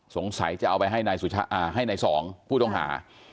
จะเอาไปให้นายสองผู้ต้องหา